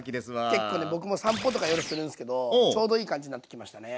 結構ね僕も散歩とか夜するんですけどちょうどいい感じになってきましたね。